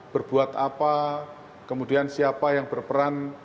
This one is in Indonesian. berbuat apa kemudian siapa yang berperan